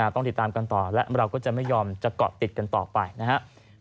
ต้องติดตามกันต่อและเราก็จะไม่ยอมจะเกาะติดกันต่อไปนะครับ